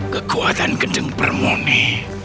kekuatan geng permuni